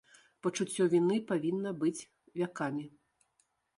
Пачуццё віны павінна быць вякамі.